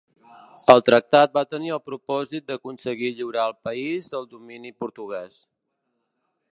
El tractat va tenir el propòsit d'aconseguir lliurar el país del domini portuguès.